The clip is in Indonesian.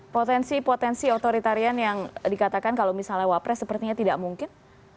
potensi potensi otoritarian yang dikatakan kalau misalnya wapres sepertinya tidak mungkin